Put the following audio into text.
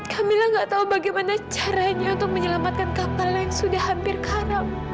kamila gak tahu bagaimana caranya untuk menyelamatkan kapal yang sudah hampir karam